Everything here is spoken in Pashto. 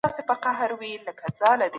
د ژوند دوسايلو چمتووالی بايد باوري سي.